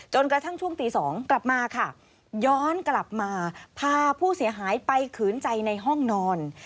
กระทั่งช่วงตี๒กลับมาค่ะย้อนกลับมาพาผู้เสียหายไปขืนใจในห้องนอน